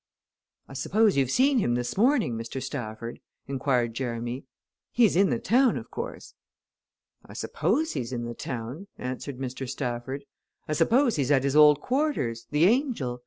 "I suppose you've seen him this morning, Mr. Stafford?" inquired Jerramy. "He's in the town, of course?" "I suppose he's in the town," answered Mr. Stafford. "I suppose he's at his old quarters the 'Angel.'